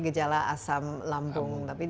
gejala asam lambung tapi